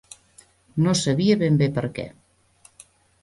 No sabia ben bé per què